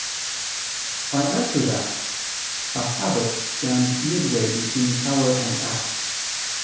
I answer that, A habit stands midway between power and act.